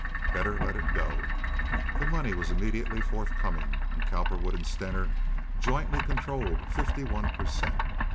Better let it go. The money was immediately forthcoming, and Cowperwood and Stener jointly controlled fifty one per cent.